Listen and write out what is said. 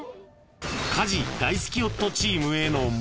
［家事大好き夫チームへの問題］